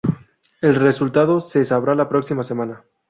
El resultado se sabrá la próxima semana.